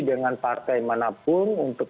dengan partai manapun untuk